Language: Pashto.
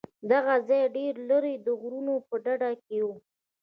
دغه ځاى ډېر لرې د غرونو په ډډه کښې و.